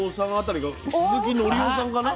鈴木紀生さんかな？